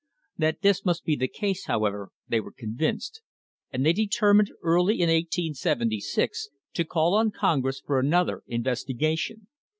That this must be the case, however, they were convinced, and they determined early in Ii 876 to call on Congress for another investigation.